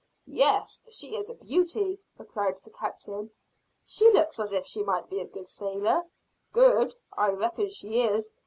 "Yes, she is a beauty!" replied the captain. "She looks as if she might be a good sailer." "Good! I reckon she is.